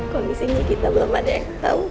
kondisinya kita belum ada yang tahu